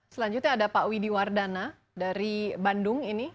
selanjutnya ada pak widi wardana dari bandung ini